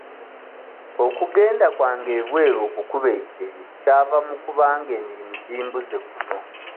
Okugenda kwange ebweru okukuba ekyeyo kyava mu kuba nga emirimu gimbuze kuno.